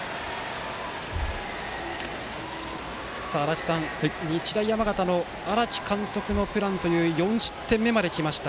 足達さん、日大山形の荒木監督のプランという４失点目まできました。